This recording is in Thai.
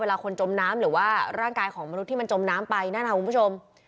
คนจมน้ำหรือว่าร่างกายของมนุษย์มันจมน้ำไปนั่นค่ะคุณผู้ชม